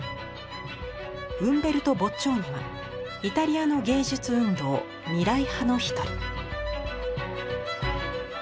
ウンベルト・ボッチョーニはイタリアの芸術運動未来派の一人。